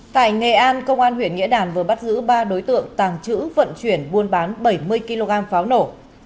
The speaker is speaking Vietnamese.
tại nghệ an công an huyện nghĩa đàn vừa bắt giữ ba đối tượng tàng trữ vận chuyển buôn bán bảy mươi kg pháo nổ